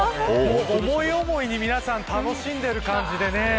思い思いに皆さん、楽しんでいる感じでね。